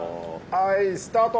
はいスタート。